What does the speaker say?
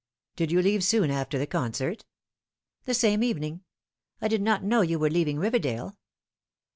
" Did you leave soon after the concert ?" "The same evening. I did not know you were leaving Eiverdale."